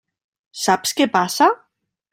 Saps què passa?